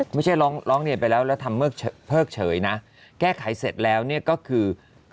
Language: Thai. ไม่ใช่ร้องร้องเรียนไปแล้วแล้วทำเพิกเฉยนะแก้ไขเสร็จแล้วเนี่ยก็คือ